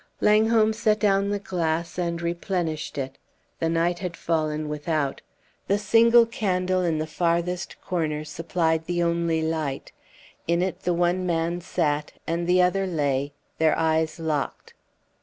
Langholm set down the glass and replenished it. The night had fallen without. The single candle in the farthest corner supplied the only light; in it the one man sat, and the other lay, their eyes locked.